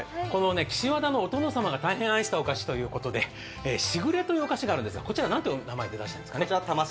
岸和田のお殿様が大変愛したお菓子ということで時雨というお菓子があるんですが、なんという名前ですか？